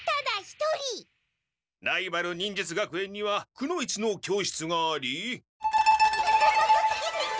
ライバル忍術学園にはくノ一の教室があり。